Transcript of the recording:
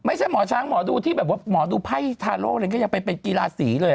ไม่ใช่หมอช้างหมอดูที่แบบว่าหมอดูไพ่ทาโล่อะไรก็ยังไปเป็นกีฬาสีเลย